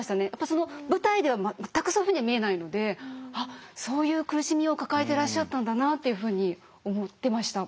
その舞台では全くそういうふうには見えないのであっそういう苦しみを抱えてらっしゃったんだなっていうふうに思ってました。